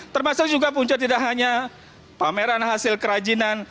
termasuk juga punca tidak hanya pameran hasil kerajinan